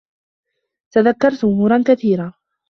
تذكّرت أمورا كثيرة.